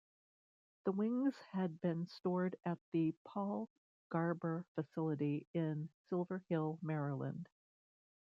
The wings had been stored at the Paul Garber Facility in Silver Hill, Maryland.